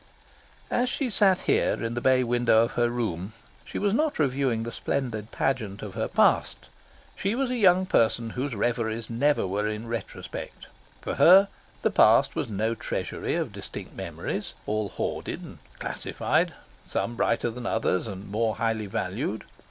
As she sat here in the bay window of her room, she was not reviewing the splendid pageant of her past. She was a young person whose reveries never were in retrospect. For her the past was no treasury of distinct memories, all hoarded and classified, some brighter than others and more highly valued.